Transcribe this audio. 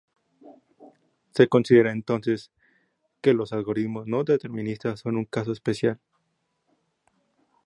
Se considera entonces que los algoritmos no deterministas son un caso especial.